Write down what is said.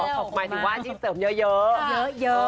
พอแล้วอ๋อหมายถึงว่าอาทิตย์เสริมเยอะเยอะค่ะเยอะเยอะอ๋อ